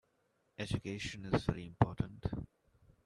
Education is very important.